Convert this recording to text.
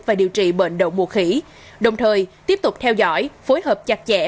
và điều trị bệnh đậu mùa khỉ đồng thời tiếp tục theo dõi phối hợp chặt chẽ